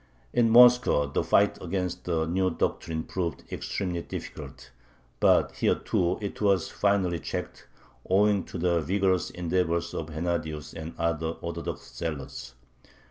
In Moscow the fight against the new doctrine proved extremely difficult. But here too it was finally checked, owing to the vigorous endeavors of Hennadius and other Orthodox zealots.